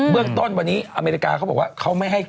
เรื่องต้นวันนี้อเมริกาเขาบอกว่าเขาไม่ให้